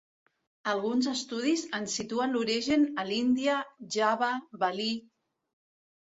Alguns estudis en situen l'origen a l'Índia, Java, Balí...